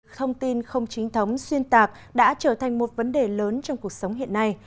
thông tin không chính thống xuyên tạc đã trở thành một vấn đề lớn trong cuộc sống hiện nay